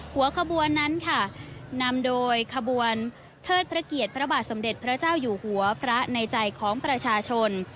หัวขบวนนั้นค่ะนำโดยขบวนเทิดพระเกียรติพระบาทสมเด็จพระเจ้าอยู่หัวพระในใจของประชาชน